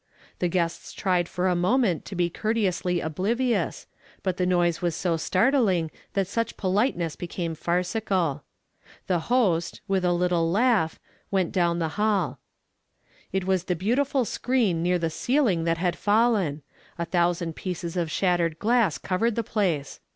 The guests tried for a moment to be courteously oblivious, but the noise was so startling that such politeness became farcical. The host, with a little laugh, went down the hall. It was the beautiful screen near the ceiling that had fallen. A thousand pieces of shattered glass covered the place.